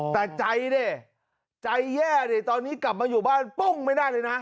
แต่ใจดิใจแย่ดิตอนนี้กลับมาอยู่บ้านปุ้งไม่ได้เลยนะ